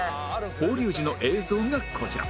放流時の映像がこちら